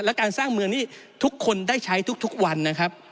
และการสร้างเมืองนี่ทุกคนได้ใช้ทุกวันนะครับ